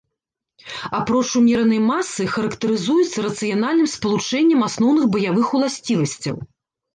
Апроч умеранай масы, характарызуецца рацыянальным спалучэннем асноўных баявых уласцівасцяў.